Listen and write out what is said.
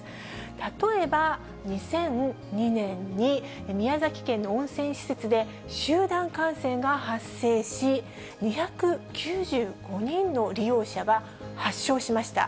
例えば、２００２年に宮崎県の温泉施設で、集団感染が発生し、２９５人の利用者が発症しました。